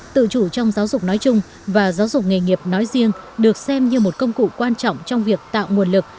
tự chủ trong giáo dục nói chung và giáo dục nghề nghiệp nói riêng được xem như một công cụ quan trọng trong việc tạo nguồn lực